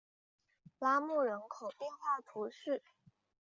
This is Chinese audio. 拉穆人口变化图示